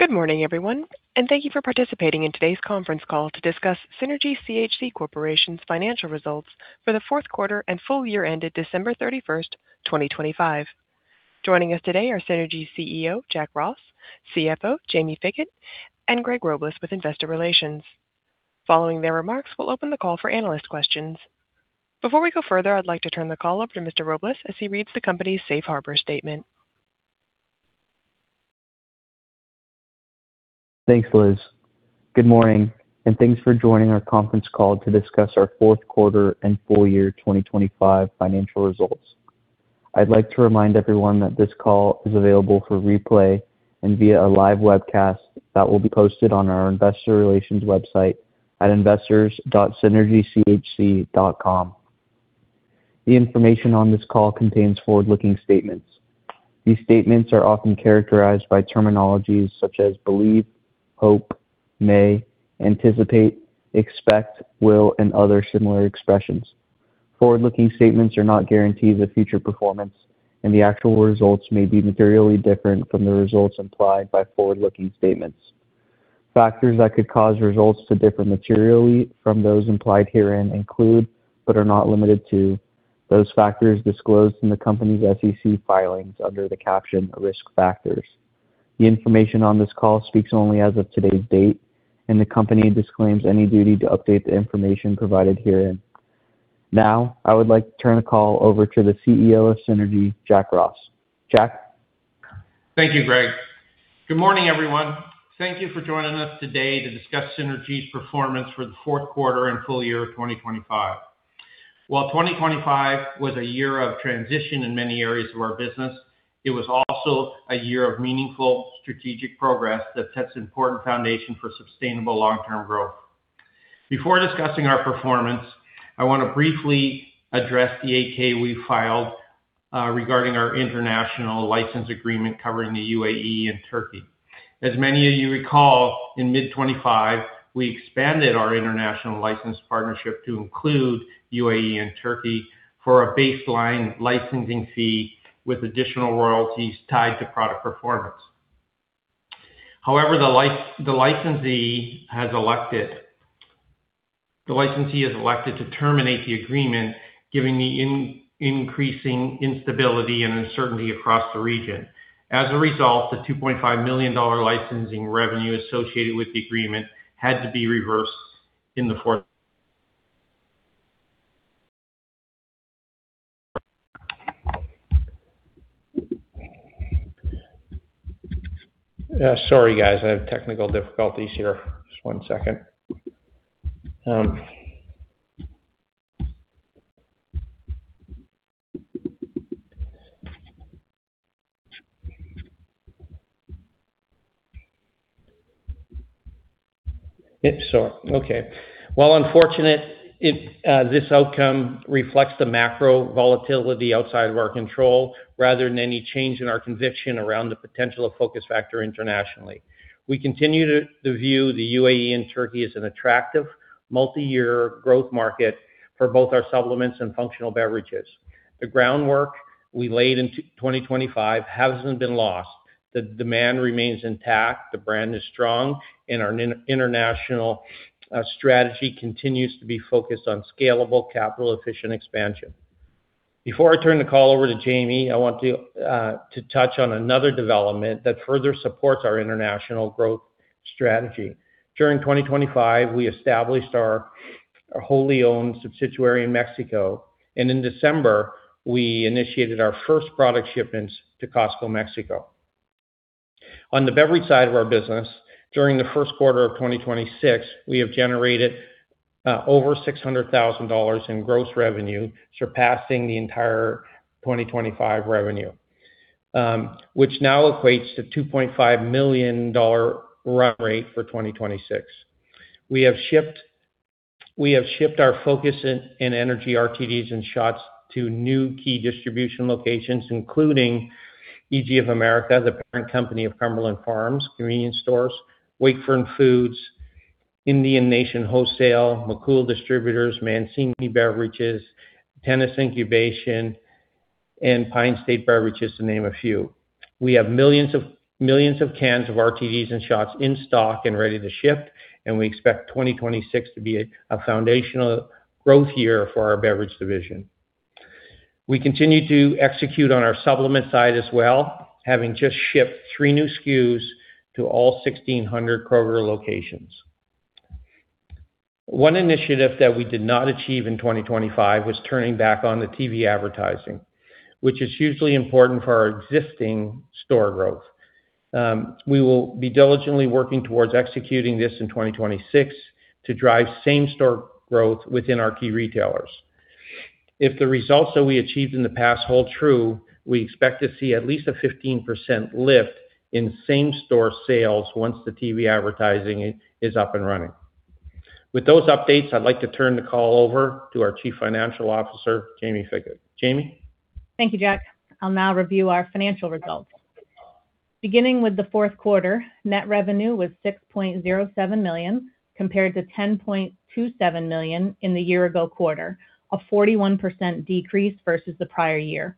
Good morning, everyone, and thank you for participating in today's conference call to discuss Synergy CHC Corp.'s financial results for the fourth quarter and full year ended December 31, 2025. Joining us today are Synergy CEO Jack Ross, CFO Jaime Fickett, and Greg Robles with Investor Relations. Following their remarks, we'll open the call for analyst questions. Before we go further, I'd like to turn the call over to Mr. Robles as he reads the company's Safe Harbor statement. Thanks, Liz. Good morning, and thanks for joining our conference call to discuss our fourth quarter and full year 2025 financial results. I'd like to remind everyone that this call is available for replay and via a live webcast that will be posted on our investor relations website at investors.synergychc.com. The information on this call contains forward-looking statements. These statements are often characterized by terminologies such as believe, hope, may, anticipate, expect, will, and other similar expressions. Forward-looking statements are not guarantees of future performance, and the actual results may be materially different from the results implied by forward-looking statements. Factors that could cause results to differ materially from those implied herein include, but are not limited to, those factors disclosed in the company's SEC filings under the caption Risk Factors. The information on this call speaks only as of today's date, and the company disclaims any duty to update the information provided herein. Now, I would like to turn the call over to the CEO of Synergy, Jack Ross. Jack? Thank you, Greg. Good morning, everyone. Thank you for joining us today to discuss Synergy's performance for the fourth quarter and full year of 2025. While 2025 was a year of transition in many areas of our business, it was also a year of meaningful strategic progress that sets important foundation for sustainable long-term growth. Before discussing our performance, I want to briefly address the 8-K we filed regarding our international license agreement covering the U.A.E. and Turkey. As many of you recall, in mid-2025, we expanded our international license partnership to include U.A.E. and Turkey for a baseline licensing fee with additional royalties tied to product performance. However, the licensee has elected to terminate the agreement given the increasing instability and uncertainty across the region. As a result, the $2.5 million licensing revenue associated with the agreement had to be reversed. While unfortunate, this outcome reflects the macro volatility outside of our control rather than any change in our conviction around the potential of FOCUSfactor internationally. We continue to view the U.A.E. and Turkey as an attractive multi-year growth market for both our supplements and functional beverages. The groundwork we laid in 2025 hasn't been lost. The demand remains intact, the brand is strong, and our international strategy continues to be focused on scalable capital efficient expansion. Before I turn the call over to Jamie, I want to touch on another development that further supports our international growth strategy. During 2025, we established our wholly owned subsidiary in Mexico, and in December, we initiated our first product shipments to Costco de México. On the beverage side of our business, during the first quarter of 2026, we have generated over $600,000 in gross revenue, surpassing the entire 2025 revenue, which now equates to $2.5 million run rate for 2026. We have shipped our Focus and Energy RTDs and shots to new key distribution locations, including EG America, the parent company of Cumberland Farms, convenience stores, Wakefern Food Corp., Indian Nation Wholesale, McCool Distributors, Mancini Beverage, Tenace Incubation, and Pine State Beverage, to name a few. We have millions of cans of RTDs and shots in stock and ready to ship, and we expect 2026 to be a foundational growth year for our beverage division. We continue to execute on our supplement side as well, having just shipped three new SKUs to all 1,600 Kroger locations. One initiative that we did not achieve in 2025 was turning back on the TV advertising, which is hugely important for our existing store growth. We will be diligently working towards executing this in 2026 to drive same store growth within our key retailers. If the results that we achieved in the past hold true, we expect to see at least a 15% lift in same store sales once the TV advertising is up and running. With those updates, I'd like to turn the call over to our Chief Financial Officer, Jaime Fickett. Jaime? Thank you, Jack. I'll now review our financial results. Beginning with the fourth quarter, net revenue was $6.07 million compared to $10.27 million in the year ago quarter. A 41% decrease versus the prior year.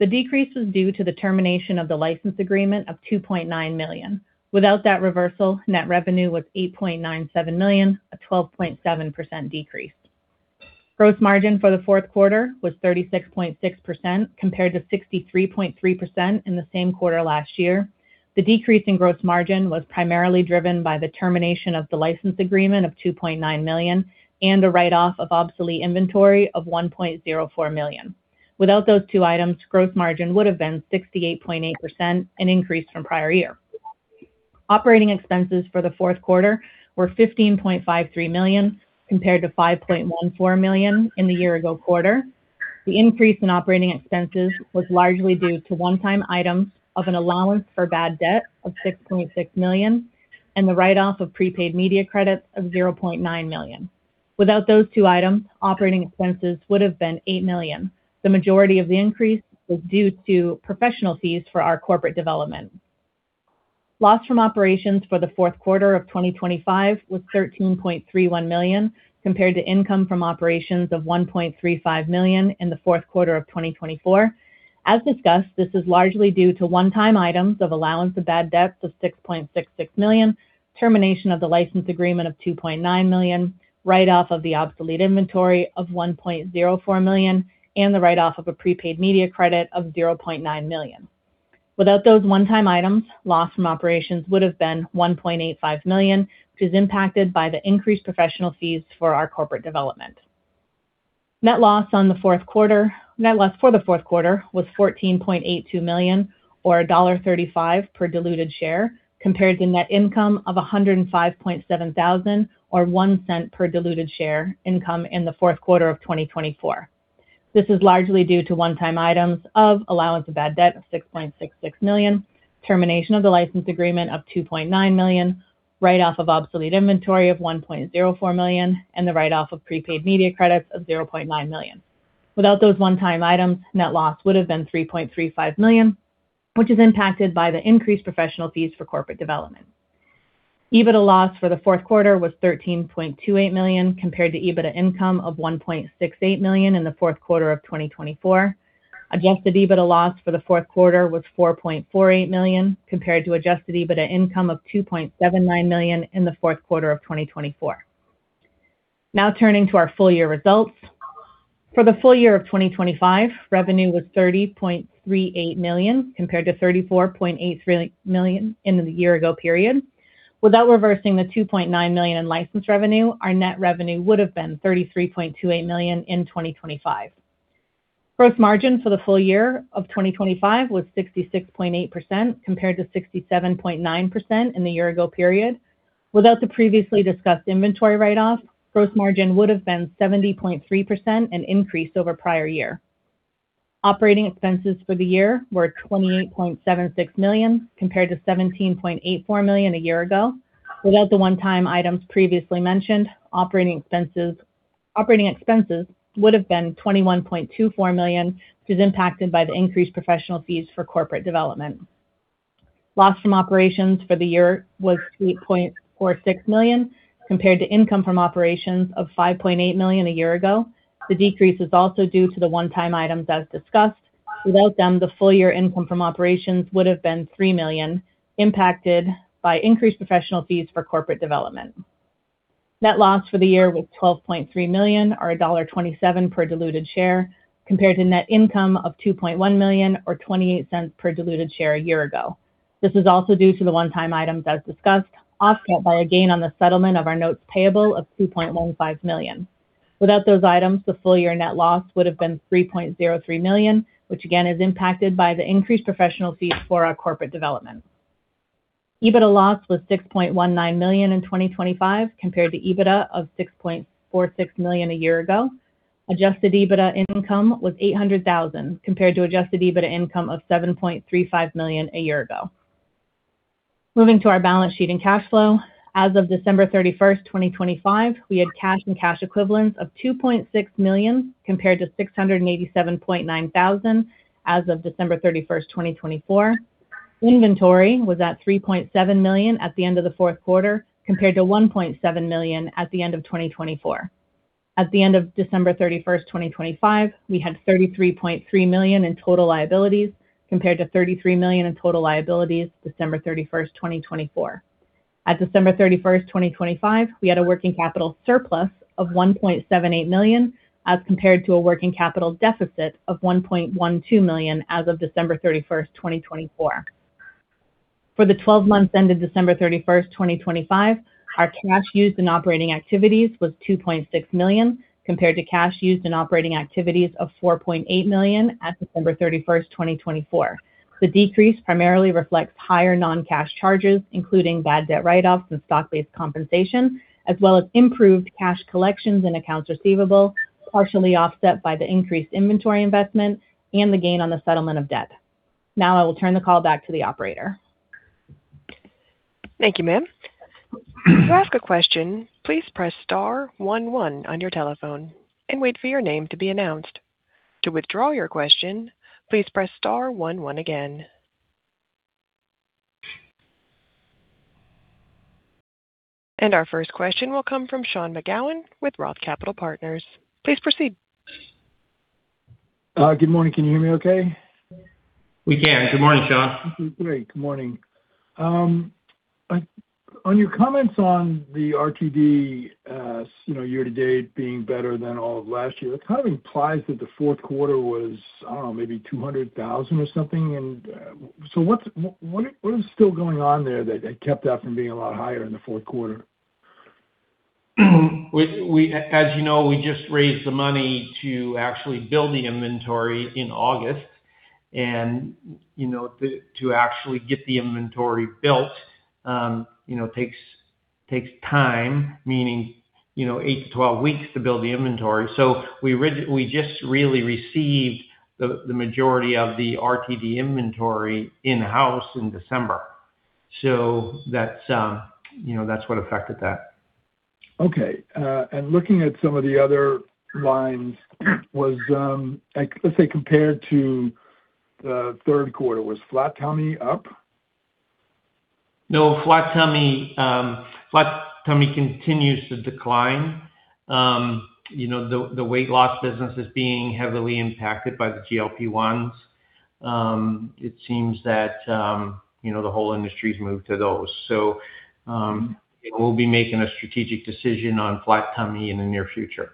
The decrease was due to the termination of the license agreement of $2.9 million. Without that reversal, net revenue was $8.97 million, a 12.7% decrease. Gross margin for the fourth quarter was 36.6% compared to 63.3% in the same quarter last year. The decrease in gross margin was primarily driven by the termination of the license agreement of $2.9 million and a write-off of obsolete inventory of $1.04 million. Without those two items, gross margin would have been 68.8%, an increase from prior year. Operating expenses for the fourth quarter were $15.53 million compared to $5.14 million in the year ago quarter. The increase in operating expenses was largely due to one-time items of an allowance for bad debt of $6.6 million and the write-off of prepaid media credits of $0.9 million. Without those two items, operating expenses would have been $8 million. The majority of the increase was due to professional fees for our corporate development. Loss from operations for the fourth quarter of 2025 was $13.31 million, compared to income from operations of $1.35 million in the fourth quarter of 2024. As discussed, this is largely due to one-time items of allowance of bad debts of $6.66 million, termination of the license agreement of $2.9 million, write-off of the obsolete inventory of $1.04 million, and the write-off of a prepaid media credit of $0.9 million. Without those one-time items, loss from operations would have been $1.85 million, which is impacted by the increased professional fees for our corporate development. Net loss for the fourth quarter was $14.82 million or $1.35 per diluted share, compared to net income of $105,700. Or $0.01 per diluted share in the fourth quarter of 2024. This is largely due to one-time items of allowance of bad debt of $6.66 million, termination of the license agreement of $2.9 million, write-off of obsolete inventory of $1.04 million, and the write-off of prepaid media credits of $0.9 million. Without those one-time items, net loss would have been $3.35 million, which is impacted by the increased professional fees for corporate development. EBITDA loss for the fourth quarter was $13.28 million, compared to EBITDA income of $1.68 million in the fourth quarter of 2024. Adjusted EBITDA loss for the fourth quarter was $4.48 million, compared to Adjusted EBITDA income of $2.79 million in the fourth quarter of 2024. Now turning to our full year results. For the full year of 2025, revenue was $30.38 million, compared to $34.83 million in the year-ago period. Without reversing the $2.9 million in license revenue, our net revenue would have been $33.28 million in 2025. Gross margin for the full year of 2025 was 66.8% compared to 67.9% in the year-ago period. Without the previously discussed inventory write-off, gross margin would have been 70.3% and increased over prior year. Operating expenses for the year were $28.76 million, compared to $17.84 million a year ago. Without the one-time items previously mentioned, operating expenses would have been $21.24 million, which is impacted by the increased professional fees for corporate development. Loss from operations for the year was $8.46 million, compared to income from operations of $5.8 million a year ago. The decrease is also due to the one-time items as discussed. Without them, the full year income from operations would have been $3 million, impacted by increased professional fees for corporate development. Net loss for the year was $12.3 million or $1.27 per diluted share, compared to net income of $2.1 million or $0.28 per diluted share a year ago. This is also due to the one-time items as discussed, offset by a gain on the settlement of our notes payable of $2.15 million. Without those items, the full year net loss would have been $3.03 million, which again is impacted by the increased professional fees for our corporate development. EBITDA loss was $6.19 million in 2025, compared to EBITDA of $6.46 million a year ago. Adjusted EBITDA income was $800,000, compared to Adjusted EBITDA income of $7.35 million a year ago. Moving to our balance sheet and cash flow. As of December 31, 2025, we had cash and cash equivalents of $2.6 million, compared to $687.9 thousand as of December 31, 2024. Inventory was at $3.7 million at the end of the fourth quarter compared to $1.7 million at the end of 2024. At the end of December 31, 2025, we had $33.3 million in total liabilities, compared to $33 million in total liabilities December 31, 2024. At December 31, 2025, we had a working capital surplus of $1.78 million as compared to a working capital deficit of $1.12 million as of December 31, 2024. For the 12 months ended December 31, 2025, our cash used in operating activities was $2.6 million, compared to cash used in operating activities of $4.8 million at December 31, 2024. The decrease primarily reflects higher non-cash charges, including bad debt write-offs and stock-based compensation, as well as improved cash collections and accounts receivable, partially offset by the increased inventory investment and the gain on the settlement of debt. Now I will turn the call back to the Operator. Thank you, ma'am. To ask a question, please press star one one on your telephone and wait for your name to be announced. To withdraw your question, please press star one one again. Our first question will come from Sean McGowan with ROTH Capital Partners. Please proceed. Good morning. Can you hear me okay? We can. Good morning, Sean. Great. Good morning. On your comments on the RTD, you know, year-to-date being better than all of last year, that kind of implies that the fourth quarter was, I don't know, maybe 200,000 or something. So what is still going on there that kept that from being a lot higher in the fourth quarter? As you know, we just raised the money to actually build the inventory in August. You know, to actually get the inventory built, you know, takes time, meaning, you know, 8 weeks-12 weeks to build the inventory. We just really received the majority of the RTD inventory in-house in December. That's, you know, that's what affected that. Okay. Looking at some of the other lines was, like, let's say, compared to the third quarter, was Flat Tummy up? No. Flat Tummy continues to decline. You know, the weight loss business is being heavily impacted by the GLP-1s. It seems that, you know, the whole industry's moved to those. We'll be making a strategic decision on Flat Tummy in the near future.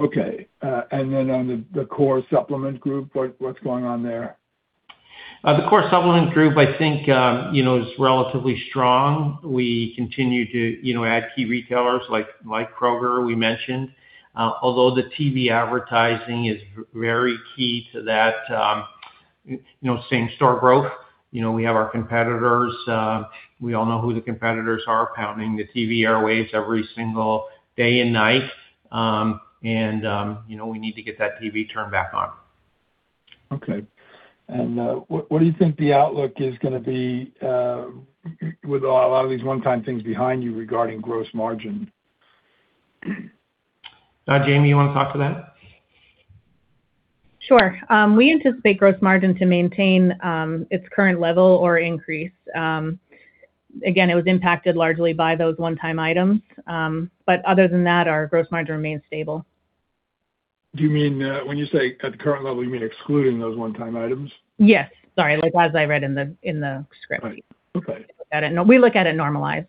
Okay. On the Core Supplement group, what's going on there? The Core Supplement group, I think, you know, is relatively strong. We continue to, you know, add key retailers like Kroger we mentioned. Although the TV advertising is very key to that, you know, same-store growth. You know, we have our competitors, we all know who the competitors are, pounding the TV airwaves every single day and night. You know, we need to get that TV turned back on. Okay. What do you think the outlook is gonna be, with a lot of these one-time things behind you regarding gross margin? Jaime, you wanna talk to that? Sure. We anticipate gross margin to maintain its current level or increase. Again, it was impacted largely by those one-time items. Other than that, our gross margin remains stable. Do you mean, when you say at the current level, you mean excluding those one-time items? Yes. Sorry. Like, as I read in the script. All right. Okay. We look at it normalized.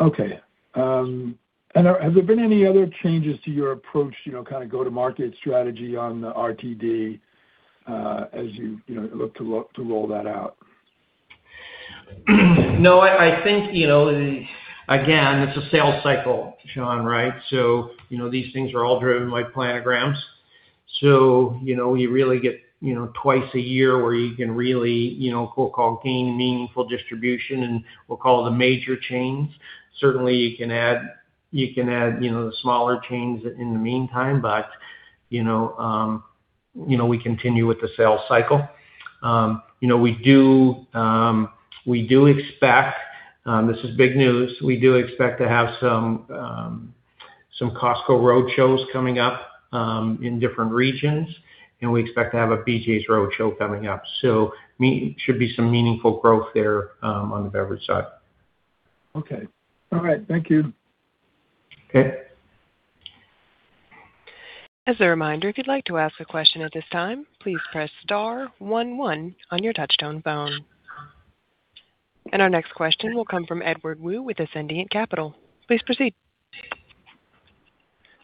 Okay. Has there been any other changes to your approach, you know, kind of go-to-market strategy on the RTD, as you know, look to roll that out? No, I think, you know, again, it's a sales cycle, Sean, right? You know, these things are all driven by planograms. You know, you really get, you know, twice a year where you can really, you know, quote-unquote, "gain meaningful distribution" in, we'll call it, the major chains. Certainly, you can add, you know, the smaller chains in the meantime, but, you know, we continue with the sales cycle. You know, we do expect, this is big news, we do expect to have some Costco roadshows coming up in different regions, and we expect to have a BJ's roadshow coming up. Should be some meaningful growth there on the beverage side. Okay. All right. Thank you. Okay. As a reminder, if you'd like to ask a question at this time, please press star one one on your touchtone phone. Our next question will come from Edward Woo with Ascendiant Capital. Please proceed.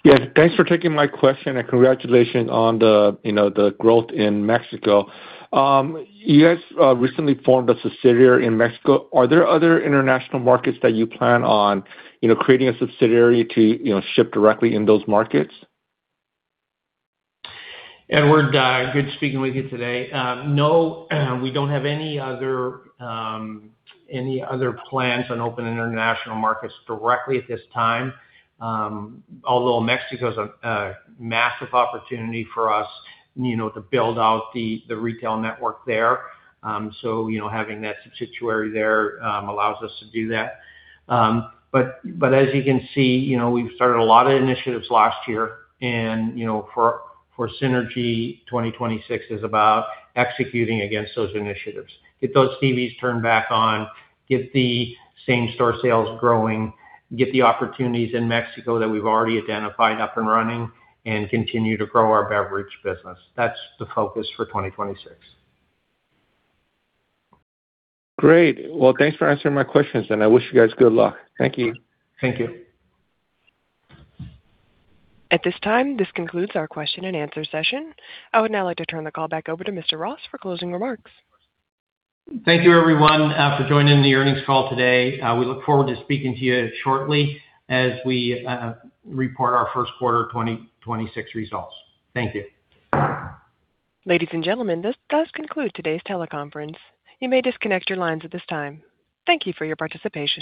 Yes, thanks for taking my question and congratulations on the, you know, the growth in Mexico. You guys recently formed a subsidiary in Mexico. Are there other international markets that you plan on, you know, creating a subsidiary to, you know, ship directly in those markets? Edward, good speaking with you today. No, we don't have any other plans on opening international markets directly at this time. Although Mexico is a massive opportunity for us, you know, to build out the retail network there. You know, having that subsidiary there allows us to do that. As you can see, you know, we've started a lot of initiatives last year and, you know, for Synergy, 2026 is about executing against those initiatives. Get those TVs turned back on, get the same store sales growing, get the opportunities in Mexico that we've already identified up and running, and continue to grow our beverage business. That's the focus for 2026. Great. Well, thanks for answering my questions, and I wish you guys good luck. Thank you. Thank you. At this time, this concludes our question and answer session. I would now like to turn the call back over to Mr. Ross for closing remarks. Thank you, everyone, for joining the earnings call today. We look forward to speaking to you shortly as we report our first quarter of 2026 results. Thank you. Ladies and gentlemen, this does conclude today's teleconference. You may disconnect your lines at this time. Thank you for your participation.